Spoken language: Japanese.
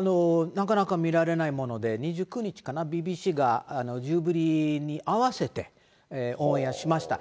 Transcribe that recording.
なかなか見られないもので、２９日かな、ＢＢＣが、ジュビリーに合わせてオンエアしました。